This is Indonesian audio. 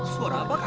suara apa kak